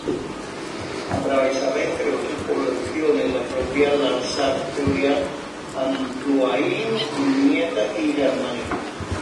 Atravesaba entre otras poblaciones la propia Lasarte-Oria, Andoáin, Urnieta y Hernani.